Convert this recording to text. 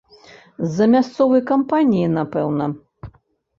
З-за мясцовай кампаніі, напэўна.